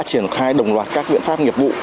triển khai đồng loạt các biện pháp nghiệp vụ